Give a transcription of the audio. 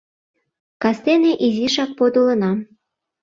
— Кастене изишак подылынам.